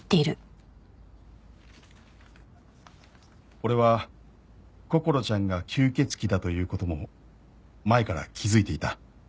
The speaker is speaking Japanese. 「俺はこころちゃんが吸血鬼だということも前から気づいていた」